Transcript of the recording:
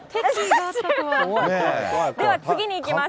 では次にいきます。